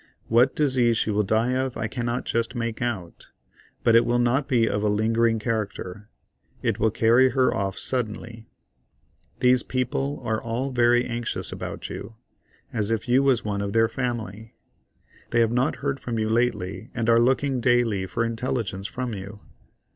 What disease she will die of I can't just make out, but it will not be of a lingering character: it will carry her off suddenly. These people are all very anxious about you, as if you was one of their family. They have not heard from you lately, and are looking daily for intelligence from you.